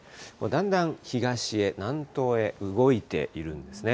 だんだん東へ、南東へ動いているんですね。